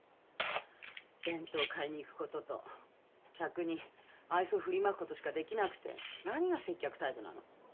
弁当買いに行くことと客に愛想振りまくことしかできなくて何が接客態度なの？